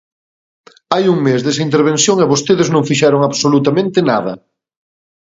Hai un mes desa intervención e vostedes non fixeron absolutamente nada.